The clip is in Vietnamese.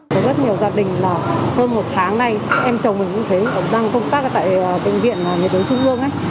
có rất nhiều gia đình là hơn một tháng nay em chồng mình cũng thấy ổng răng công tác tại bệnh viện nhiệt đới trung ương ấy